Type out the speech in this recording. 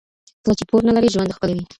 کله چې پور نه لرئ ژوند ښکلی وي.